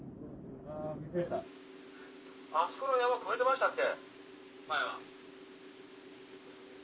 あそこの山越えてましたっけ。